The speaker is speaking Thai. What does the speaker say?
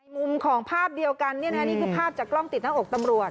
มุมของภาพเดียวกันนี่นะเนี่ยนี่คือภาพจากกล้องติดท่าอกตำรวจ